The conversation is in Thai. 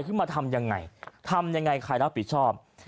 ขึ้นมาทำยังไงทำยังไงใครรับผิดชอบ